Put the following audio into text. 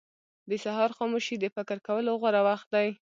• د سهار خاموشي د فکر کولو غوره وخت دی.